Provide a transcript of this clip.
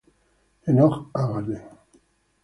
Enoch Arden